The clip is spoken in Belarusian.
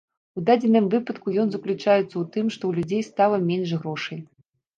У дадзеным выпадку ён заключаецца ў тым, што ў людзей стала менш грошай.